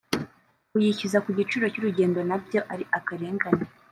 kuyishyuza ku giciro cy’urugendo nabyo ari akarengane